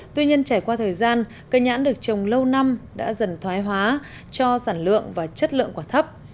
tuy nhiên trải qua thời gian cây nhãn được trồng lâu năm đã dần thoái hóa cho sản lượng và chất lượng quả thấp